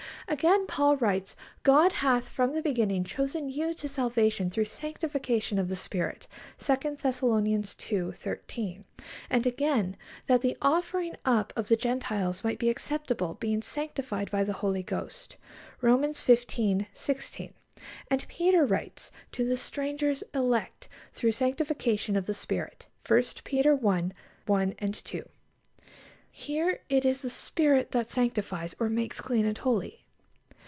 Again, Paul writes: "God hath from the beginning chosen you to salvation through sanctification of the Spirit" (2 Thess. ii. 13). And again, "That the offering up of the Gentiles might be acceptable, being sanctified by the Holy Ghost" (Romans xv. 16). And Peter writes: "To the strangers... elect... through sanctification of the Spirit" (1 Peter i. I, 2). Here it is the Spirit that sanctifies or makes clean and holy.